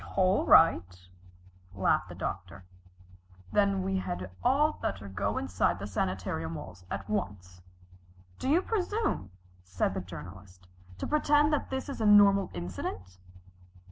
"All right," laughed the Doctor, "then we had all better go inside the sanitarium walls at once." "Do you presume," said the Journalist, "to pretend that this is a normal incident?"